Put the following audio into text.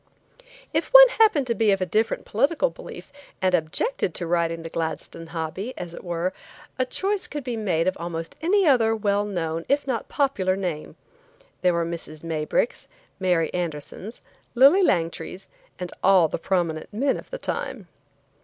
If one happened to be of a different political belief and objected to riding the Gladstone hobby, as it were, a choice could be made of almost any well known, if not popular name. There were Mrs. Maybricks, Mary Andersons, Lillie Langtrys, and all the prominent men of the time.